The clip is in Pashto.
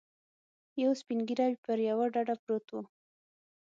یو سپین ږیری پر یوه ډډه پروت و.